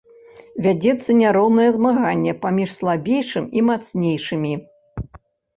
Вядзецца няроўнае змаганне паміж слабейшым і мацнейшымі.